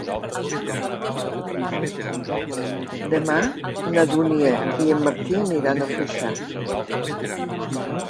Demà na Dúnia i en Martí aniran a Foixà.